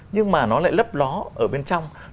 nhưng mà nó lại lấp ló ở bên trong